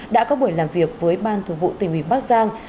đã có buổi làm việc với ban thường vụ tỉnh ủy bắc giang